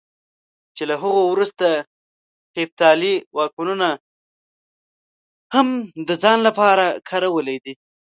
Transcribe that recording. چې له هغوی وروسته هېپتالي واکمنو هم د ځان لپاره کارولی دی.